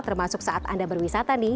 termasuk saat anda berwisata nih